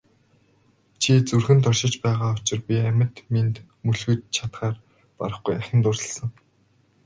Чи зүрхэнд оршиж байгаа учир би амьд мэнд мөлхөж чадахаар барахгүй ахин дурласан.